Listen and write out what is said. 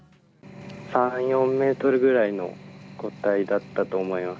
３、４メートルぐらいの個体だったと思います。